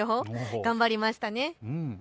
頑張りましたね。